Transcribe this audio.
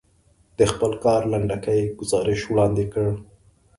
د خپل کار لنډکی ګزارش وړاندې کړ.